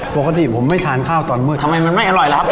ปกติผมไม่ทานข้าวตอนมืดทำไมมันไม่อร่อยรับ